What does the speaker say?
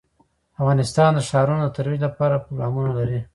افغانستان د ښارونه د ترویج لپاره پروګرامونه لري.